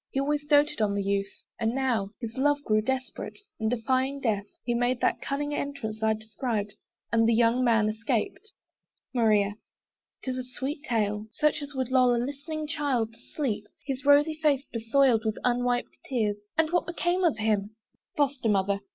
He always doted on the youth, and now His love grew desperate; and defying death, He made that cunning entrance I described: And the young man escaped. MARIA. 'Tis a sweet tale: Such as would lull a listening child to sleep, His rosy face besoiled with unwiped tears. And what became of him? FOSTER MOTHER.